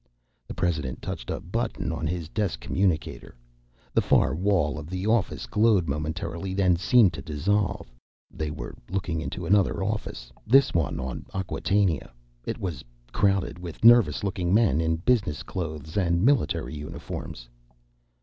The president touched a button on his desk communicator. The far wall of the office glowed momentarily, then seemed to dissolve. They were looking into another office, this one on Acquatainia. It was crowded with nervous looking men in business clothes and military uniforms.